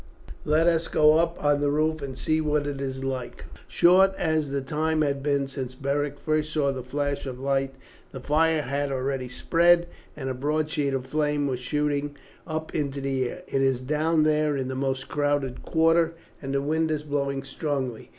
"Let us go up on the roof and see what it is like." Short as the time had been since Beric first saw the flash of light the fire had already spread, and a broad sheet of flame was shooting up into the air. "It is down there in the most crowded quarter, and the wind is blowing strongly.